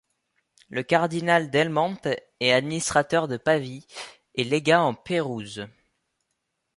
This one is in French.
Le cardinal del Monte est administrateur de Pavie et légat en Pérouse.